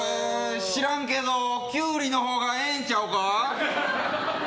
知らんけど、キュウリのほうがええんちゃうか？